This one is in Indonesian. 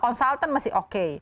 konsultan masih oke